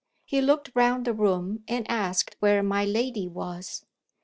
He looked round the room, and asked where my lady was.